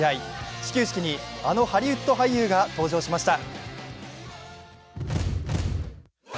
始球式にあのハリウッド俳優が登場しました。